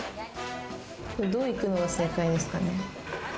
どう行くのが正解ですかね？